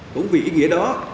cũng vì ý nghĩa đó